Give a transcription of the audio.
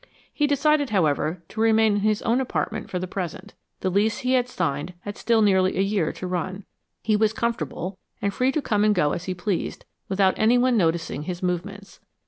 He decided, however, to remain in his own apartment for the present. The lease he had signed had still nearly a year to run. He was comfortable, and free to come and go as he pleased, without anyone noticing his movements.